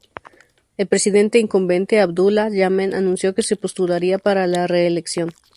El presidente incumbente Abdulla Yameen anunció que se postularía para la reelección.